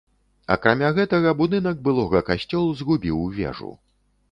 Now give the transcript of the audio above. Акрамя гэтага, будынак былога касцёл згубіў вежу.